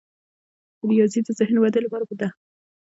ریاضي د ذهني ودې لپاره ده.